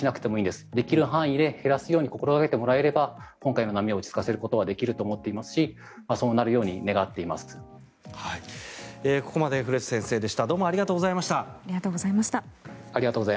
できる範囲で減らすように心掛けてもらえば今回の波は抑えられると思っていますしそうなるように願っています。